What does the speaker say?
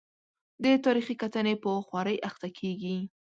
د تاریخي کتنې په خوارۍ اخته کېږي.